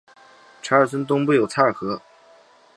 查尔村东部有嚓尔河。